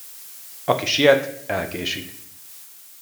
Aki siet, elkésik.